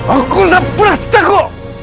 aku tak percaya kau